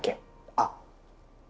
あっ！